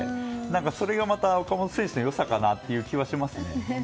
それがまた、岡本選手の良さかなという気がしますよね。